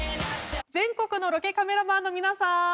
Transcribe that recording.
全国のロケカメラマンの皆さん！